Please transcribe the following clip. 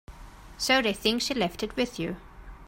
So they think she left it with you.